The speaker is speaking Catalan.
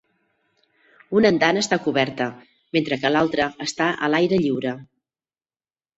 Una andana està coberta mentre que l'altra està a l'aire lliure.